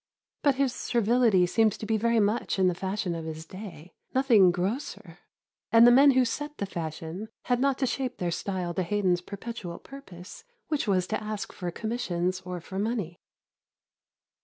But his servility seems to be very much in the fashion of his day nothing grosser; and the men who set the fashion had not to shape their style to Haydon's perpetual purpose, which was to ask for commissions or for money.